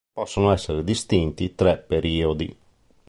Possono essere distinti tre periodi.